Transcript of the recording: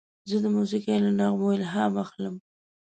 زه د موسیقۍ له نغمو الهام اخلم.